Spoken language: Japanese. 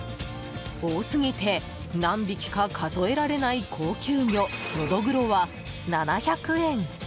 多すぎて何匹か数えられない高級魚ノドグロは、７００円！